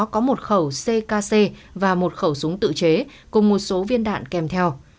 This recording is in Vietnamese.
ckc và một khẩu súng tự chế cùng một số viên đạn kèm theo